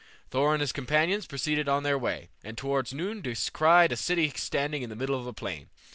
Thor and his companions proceeded on their way, and towards noon descried a city standing in the middle of a plain.